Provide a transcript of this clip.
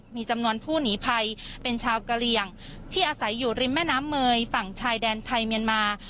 มีจำนวนผู้หนีภัยเป็นชาวกะเหลี่ยงที่อาศัยอยู่ริมแม่น้ำเมย์ฝั่งชายแดนไทยเมียนมา